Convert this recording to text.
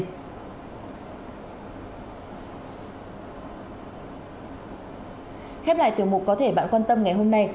khép lại tiểu mục có thể bạn quan tâm ngày hôm nay